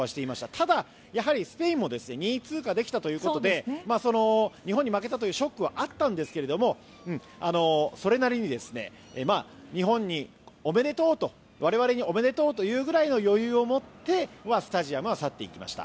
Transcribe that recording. ただ、やはりスペインも２位通過できたということで日本に負けたというショックはあったんですがそれなりに日本におめでとうと我々におめでとうと言うぐらいの余裕を持ってスタジアムは去っていきました。